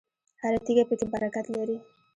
هره تیږه پکې برکت لري.